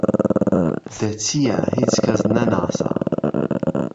دەچیە هیچکەس نەناسە